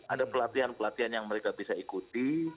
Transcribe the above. ada pelatihan pelatihan yang bisa mereka ikuti